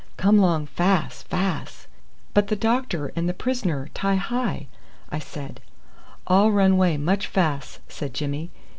"Come long fas, fas." "But the doctor and the prisoner and Ti hi?" I said. "All run way much fas," said Jimmy.